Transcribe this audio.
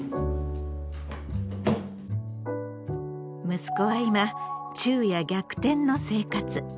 息子は今昼夜逆転の生活。